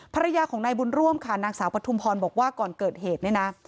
ภรรยาของนายบุญร่วมค่ะนางสาวปฐุมพรบอกว่าก่อนเกิดเหตุเนี่ยนะ